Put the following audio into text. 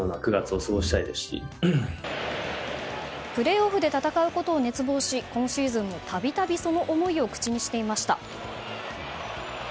プレーオフで戦うことを熱望し今シーズンも度々その思いを口にしていました。